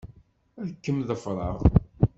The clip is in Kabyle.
Ad kem-ḍefṛeɣ.